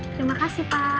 terima kasih pak